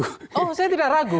oh saya tidak ragu